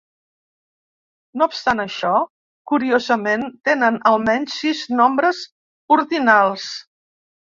No obstant això, curiosament, tenen almenys sis nombres ordinals.